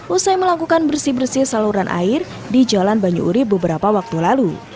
usai melakukan bersih bersih saluran air di jalan banyu urib beberapa waktu lalu